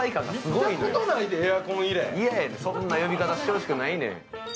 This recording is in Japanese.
そんな呼び方してほしくないねん。